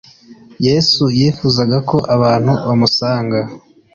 Yesu yifuzaga ko abantu bamusanga